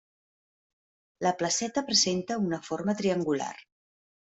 La placeta presenta una forma triangular.